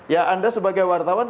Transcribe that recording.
ya anda sebagai wartawan